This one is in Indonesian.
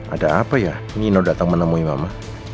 ada apa ya mino datang menemui mama